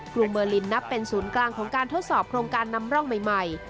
กรุงเบอร์ลินนับเป็นศูนย์กลางของการทดสอบโครงการนำร่องใหม่